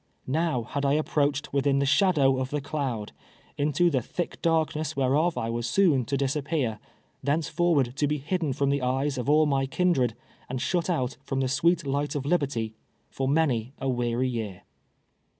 Xow had I approached within the shad OAv of tlio cloud, into the thick darkness whereof I was so. 1,1 tc di .ipjiear, thenceforward to be hidden from the eyes of all my kindred, and shut out from the sweet light of liberty, for many a weary year.